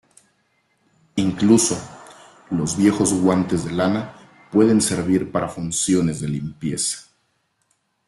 Incluso, los viejos guantes de lana pueden servir para funciones de limpieza.